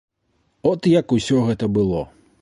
От як усё гэта было.